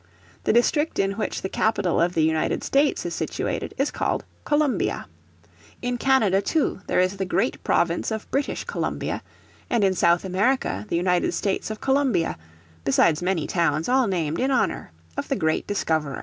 The district in which the capital of the United States is situated is called Columbia. In Canada too there is the great province of British Columbia, and in South America the 'United States of Colombia, besides many towns all named in honour of the great discoverer.